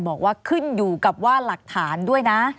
บอกว่าขึ้นอยู่กับว่าหลักฐานด้วยนะ